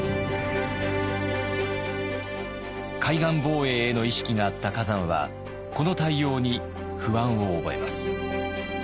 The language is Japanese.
海岸防衛への意識があった崋山はこの対応に不安を覚えます。